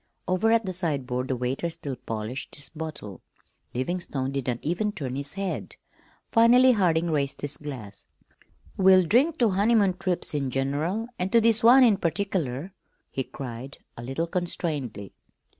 Over at the sideboard the waiter still polished his bottle. Livingstone did not even turn his head. Finally Harding raised his glass. "We'll drink to honeymoon trips in general and to this one in particular," he cried, a little constrainedly.